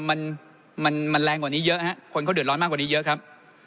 มันมันแรงกว่านี้เยอะฮะคนเขาเดือดร้อนมากกว่านี้เยอะครับ